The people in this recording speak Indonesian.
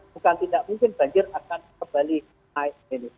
bukan tidak mungkin banjir akan kembali naik